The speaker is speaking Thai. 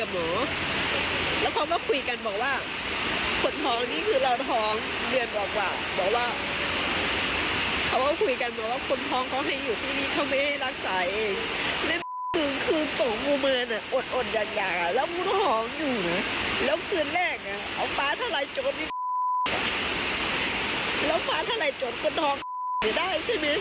แล้วปลาทะลายโจรคือทองอยู่ได้ใช่ไหม